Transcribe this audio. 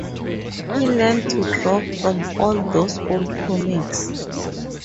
He learned to draw from all those old comics.